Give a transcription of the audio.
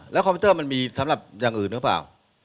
คอมพิวเตอร์มันมีสำหรับอย่างอื่นหรือเปล่า